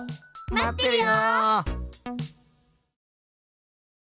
待ってるよ！